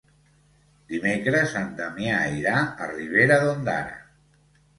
Dimecres en Damià irà a Ribera d'Ondara.